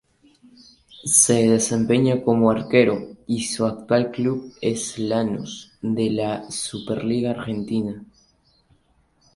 Se desempeña como arquero y su actual club es Lanús de la Superliga Argentina.